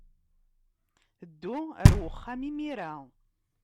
Ddu ɣer uxxam imir-a.